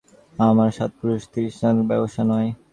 আমার সাত পুরুষে ক্রিশ্চান করা ব্যবসা নয়!